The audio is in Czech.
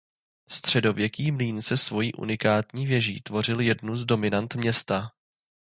Středověký mlýn se svojí unikátní věží tvořil jednu z dominant města.